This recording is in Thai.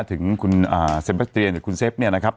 ถึงคุณเซมัสเตียหรือคุณเซฟเนี่ยนะครับ